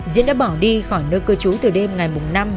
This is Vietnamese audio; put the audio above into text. diễn đã bỏ đi khỏi nơi cơ chú từ đêm ngày năm